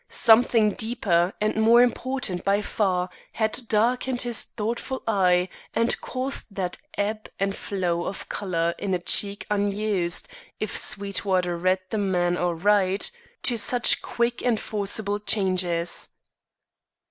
Something deeper and more important by far had darkened his thoughtful eye and caused that ebb and flow of colour in a cheek unused, if Sweetwater read the man aright, to such quick and forcible changes.